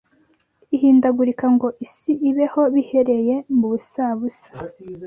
ihindagurika ngo isi ibeho bihereye mu busabusa